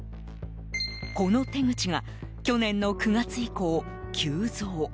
この手口が去年の９月以降、急増。